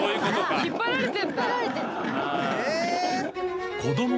引っ張られてんだ。